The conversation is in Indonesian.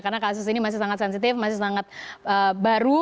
karena kasus ini masih sangat sensitif masih sangat baru